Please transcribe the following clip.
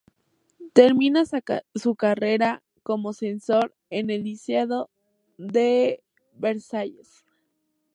Termina sa carrera como censor en el Liceo de Versalles.